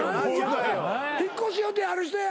引っ越し予定ある人や。